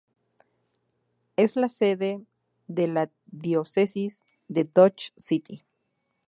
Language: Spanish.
Es la sede de la Diócesis de Dodge City.